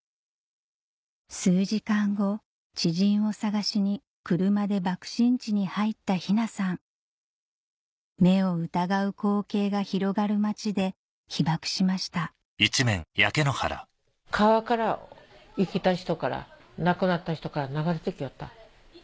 数時間後知人を捜しに車で爆心地に入った雛さん目を疑う光景が広がるまちで被爆しました川から生きた人から亡くなった人から流れてきよった。